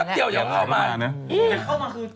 เดียวเข้ามาเเหล้